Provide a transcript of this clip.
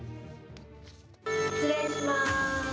失礼します。